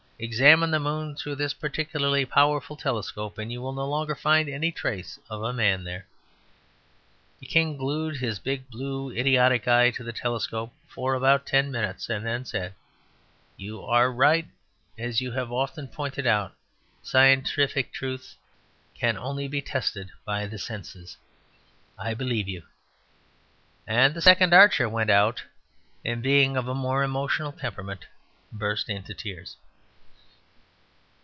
"Examine the moon through this particularly powerful telescope, and you will no longer find any traces of a man there." The king glued his big blue idiotic eye to the telescope for about ten minutes, and then said, "You are right: as you have often pointed out, scientific truth can only be tested by the senses. I believe you." And the second archer went out, and being of a more emotional temperament burst into tears.